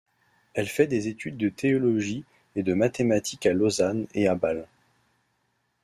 Elle fait des études de théologie et de mathématiques à Lausanne et à Bâle.